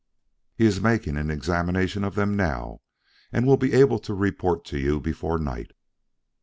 He is making an examination of them now, and will be able to report to you before night."